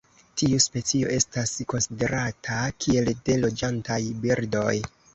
Tiu specio estas konsiderata kiel de loĝantaj birdoj.